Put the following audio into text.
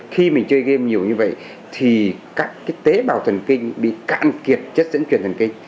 khi mình chơi game nhiều như vậy thì các tế bào thần kinh bị cạn kiệt chất dẫn truyền thần kinh